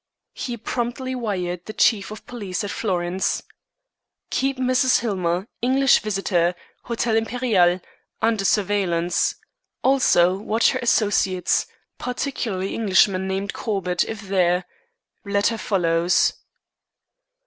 He promptly wired the Chief of Police at Florence: "Keep Mrs. Hillmer, English visitor, Hotel Imperiale, under surveillance. Also watch her associates, particularly Englishman named Corbett, if there. Letter follows."